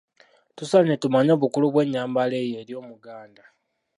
Tusaanye tumanye obukulu bw'enyambala eyo eri Omuganda.